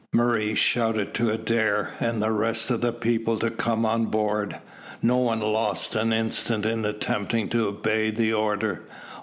Murray shouted to Adair and the rest of the people to come on board. No one lost an instant in attempting to obey the order.